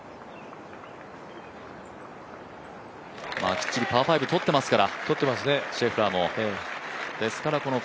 きっちりパー５取ってますから、シェフラーも。